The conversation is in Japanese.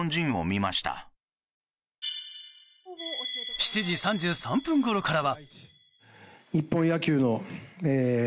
７時３３分ごろからは。